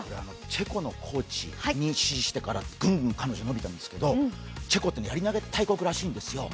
チェコのコーチに師事してから彼女ぐんぐん伸びてますけどチェコってやり投大国らしいんですよ。